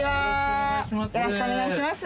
よろしくお願いします。